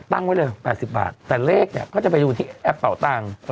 ตั้งไว้เลย๘๐บาทแต่เลขเนี่ยก็จะไปดูที่แอปเป่าตังค์